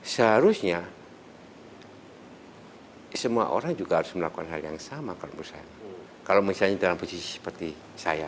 seharusnya semua orang juga harus melakukan hal yang sama kalau menurut saya kalau misalnya dalam posisi seperti saya